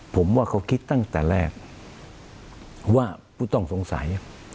ผมว่าเขาคิดตั้งแต่แรกว่าผู้ต้องสงสัย